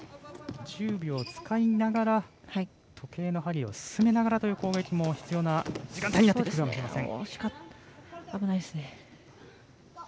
１０秒使いながら時計の針を進めながらという攻撃も必要な時間帯になってくるかもしれません。